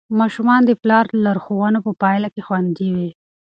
ماشومان د پلار لارښوونو په پایله کې خوندي وي.